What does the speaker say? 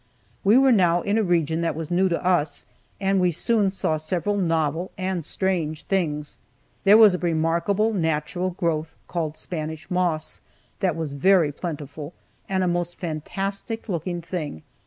We were now in a region that was new to us, and we soon saw several novel and strange things. There was a remarkable natural growth, called "Spanish moss," that was very plentiful, and a most fantastic looking thing.